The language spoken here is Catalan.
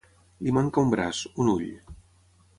Li manca un braç, un ull.